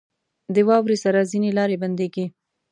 • د واورې سره ځینې لارې بندېږي.